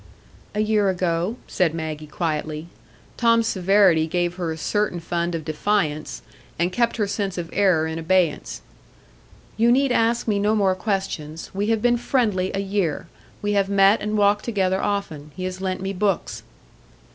"A year ago," said Maggie, quietly. Tom's severity gave her a certain fund of defiance, and kept her sense of error in abeyance. "You need ask me no more questions. We have been friendly a year. We have met and walked together often. He has lent me books."